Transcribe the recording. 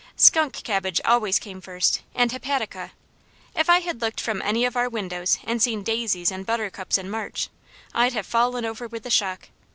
Skunk cabbage always came first, and hepatica. If I had looked from any of our windows and seen daisies and buttercups in March, I'd have fallen over with the shock.